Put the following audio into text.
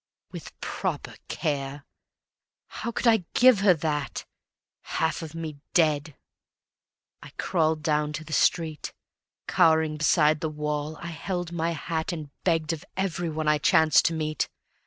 "With proper care" how could I give her that, Half of me dead? ... I crawled down to the street. Cowering beside the wall, I held my hat And begged of every one I chanced to meet.